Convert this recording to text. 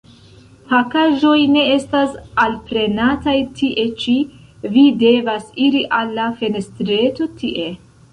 Pakaĵoj ne estas alprenataj tie ĉi; vi devas iri al la fenestreto, tie.